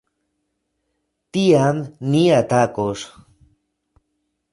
Tiam, ni atakos.